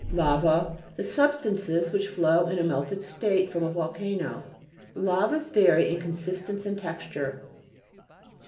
LA'VA The substances which flow in a melted state from a volcano. Lavas vary in consistence and tex ture.